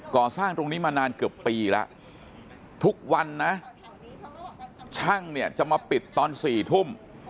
ก่อสร้างตรงนี้มานานเกือบปีแล้วทุกวันนะช่างเนี่ยจะมาปิดตอน๔ทุ่ม